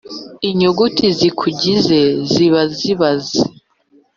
inyuguti zibugize ziba zibaze,